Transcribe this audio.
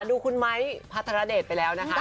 โคะดูคุณไมค์พัฒนาเดชไปแล้วนะคะ